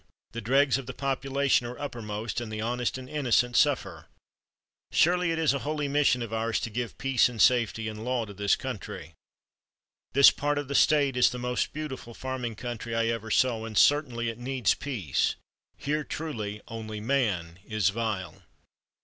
The dregs of the population are uppermost, and the honest and innocent suffer. Surely it is a holy mission of ours to give peace, and safety, and law to this country. This part of the State is the most beautiful farming country I ever saw, and certainly it needs peace. Here truly 'only man is vile.'"